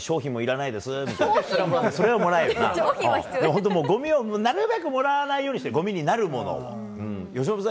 本当、もうごみをなるべくもらわないようにして、ごみになるものを。